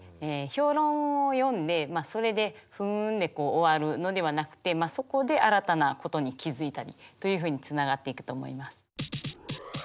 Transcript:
評論を読んでそれで「ふん」で終わるのではなくてそこで新たなことに気付いたりというふうにつながっていくと思います。